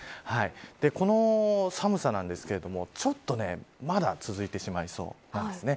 この寒さですがちょっとまだ続いてしまいそうなんです。